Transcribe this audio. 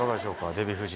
デヴィ夫人。